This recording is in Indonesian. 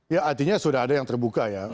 ya artinya sudah ada yang terbuka ya